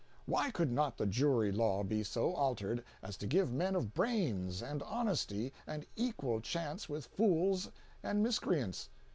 Why could not the jury law be so altered as to give men of brains and honesty and equal chance with fools and miscreants?